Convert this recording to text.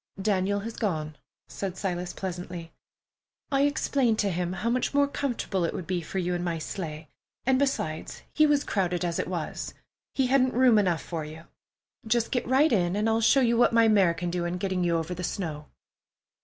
"Daniel has gone," said Silas pleasantly. "I explained to him how much more comfortable it would be for you in my sleigh, and, besides, he was crowded as it was. He hadn't room enough for you. Just get right in, and I'll show you what my mare can do in getting you over the snow."